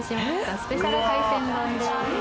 スペシャル海鮮丼です。